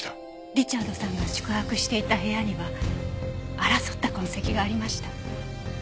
リチャードさんが宿泊していた部屋には争った痕跡がありました。